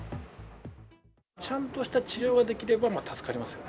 ちゃんとした治療ができれば助かりますよね。